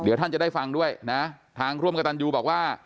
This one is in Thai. เดี๋ยวท่านจะได้ฟังด้วยนะทางร่วมกับตันยูบอกว่า